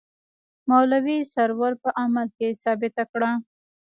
مولوي سرور په عمل کې ثابته کړه.